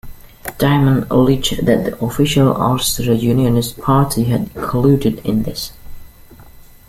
Diamond alleged that the official Ulster Unionist Party had colluded in this.